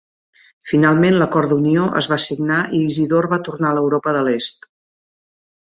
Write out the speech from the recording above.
Finalment, l'acord d'unió es va signar i Isidor va tornar a l'Europa de l'Est.